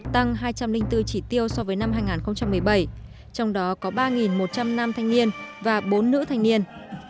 tăng hai trăm linh bốn chỉ tiêu so với năm hai nghìn một mươi bảy trong đó có ba một trăm linh năm thanh niên và bốn nữ thanh niên